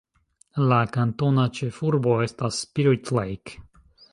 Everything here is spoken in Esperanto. La kantona ĉefurbo estas Spirit Lake.